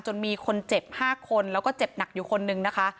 จนมีคนเจ็บ๕คนแล้วก็เจ็บหนักอยู่คนนึงนะคะ